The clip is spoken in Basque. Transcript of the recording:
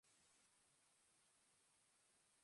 Hainbat euskal sukaldari dira bertan protagonista.